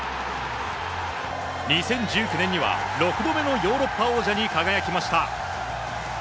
２０１９年には６度目のヨーロッパ王者に輝きました。